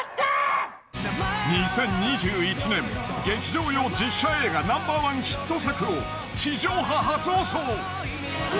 ２０２１年、劇場用実写映画ナンバー１ヒット作を地上波初放送。